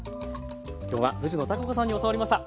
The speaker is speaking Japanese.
今日は藤野貴子さんに教わりました。